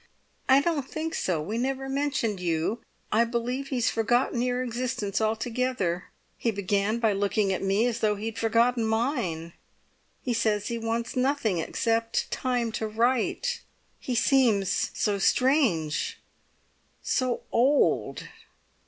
"I don't think so. We never mentioned you. I believe he's forgotten your existence altogether; he began by looking at me as though he'd forgotten mine. He says he wants nothing, except time to write. He seems so strange—so old!"